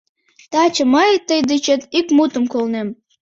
Таче мый тый дечет ик мутым колнем.